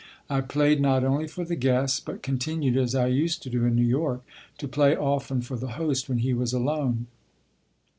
I played not only for the guests, but continued, as I used to do in New York, to play often for the host when he was alone.